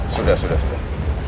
sudah sudah sudah